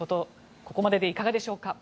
ここまででいかがでしょうか？